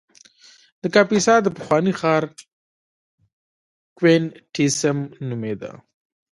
د کاپیسا د پخواني ښار کوینټیسیم نومېده